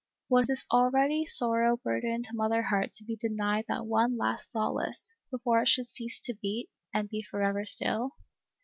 Was this already sorrow burdened mother heart to be denied that one last solace, before it should cease to beat, and be forever still